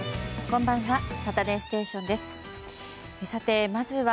こんばんは。